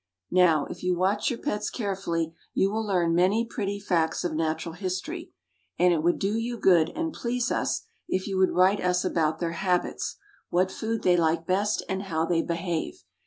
Now, if you watch your pets carefully, you will learn many pretty facts of natural history; and it would do you good, and please us, if you would write us about their habits, what food they like best, and how they behave.